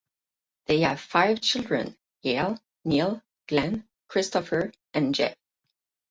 They had five children, Gayle, Neal, Glen, Christopher and Jeff.